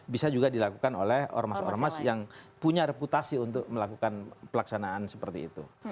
bisa juga dilakukan oleh ormas ormas yang punya reputasi untuk melakukan pelaksanaan seperti itu